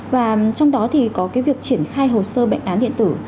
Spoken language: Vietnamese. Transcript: và trong đó thì có cái việc triển khai hồ sơ bệnh án điện tử